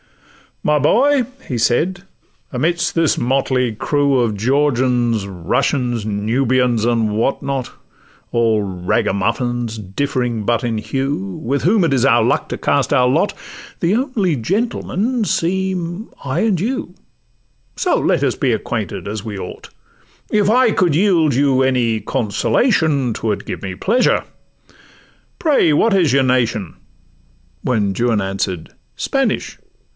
'My boy!' said he, 'amidst this motley crew Of Georgians, Russians, Nubians, and what not, All ragamuffins differing but in hue, With whom it is our luck to cast our lot, The only gentlemen seem I and you; So let us be acquainted, as we ought: If I could yield you any consolation, 'Twould give me pleasure.—Pray, what is your nation?' When Juan answer'd—'Spanish!